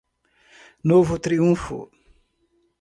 Novo Triunfo